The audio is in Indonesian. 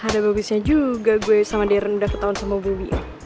ada bagusnya juga gue sama darren udah ketahuan sama bobby